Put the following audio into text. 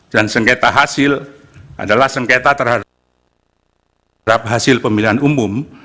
dan sengketa hasil adalah sengketa terhadap hasil pemilihan umum